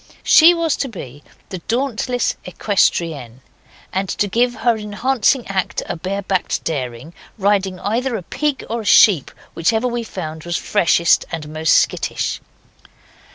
She was to be the Dauntless Equestrienne, and to give her enhancing act a barebacked daring, riding either a pig or a sheep, whichever we found was freshest and most skittish.